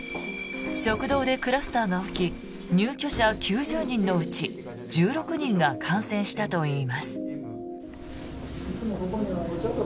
食堂でクラスターが起き入居者９０人のうち１６人が感染したといいます。